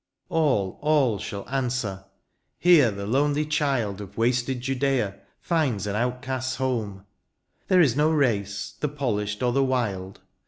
AU, all shall answer, " Here the lonely child Of wasted Judea finds an outcast's home :" There is no race, the polished or the wild.